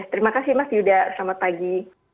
terima kasih mas yuda selamat pagi